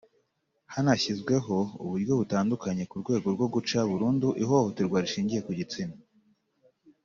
Hanashyizweho uburyo butandukanye mu rwego rwo guca burundu ihohoterwa rishingiye ku gitsina